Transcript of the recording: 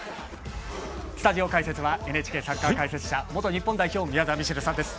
スタジオ解説はＮＨＫサッカー解説者元日本代表宮澤ミシェルさんです。